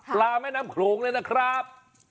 แม่น้ำโขลงเลยนะครับ